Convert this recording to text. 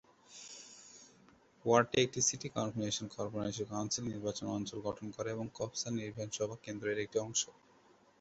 ওয়ার্ডটি একটি city municipal corporation council নির্বাচনী অঞ্চল গঠন করে এবং কসবা বিধানসভা কেন্দ্র এর একটি অংশ।